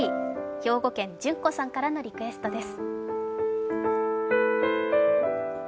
兵庫県じゅんこさんからのリクエストです。